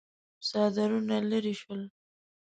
څادرونه ليرې شول.